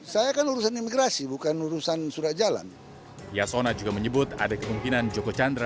saya kan urusan imigrasi bukan urusan surat jalan yasona juga menyebut ada kemungkinan joko chandra